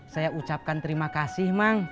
saya ucapkan terima kasih mang